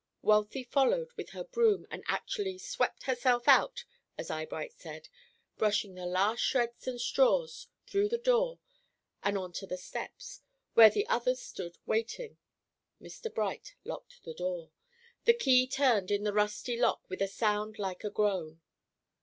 Wealthy followed with her broom and actually "swept herself out," as Eyebright said, brushing the last shreds and straws through the door on to the steps, where the others stood waiting. Mr. Bright locked the door. The key turned in the rusty lock with a sound like a groan.